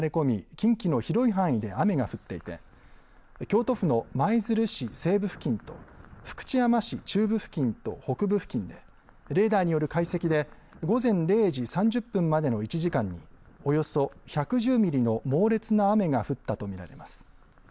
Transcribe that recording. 近畿の広い範囲で雨が降っていて京都府の舞鶴市西部付近と福知山市中部付近と北部付近でレーダーによる解析で午前０時３０分までの１時間におよそ１１０ミリの猛烈な雨が降ったと見られます。